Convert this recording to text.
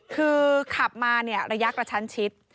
คือขับมาระยะกระชั้นชิด